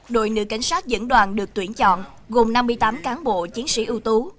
đội nữ cảnh sát dẫn đoàn được tuyển chọn gồm năm mươi tám cán bộ chiến sĩ ưu tú